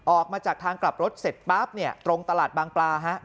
ออกมาจากทางกลับรถเสร็จปั๊บตรงตลาดบางปลา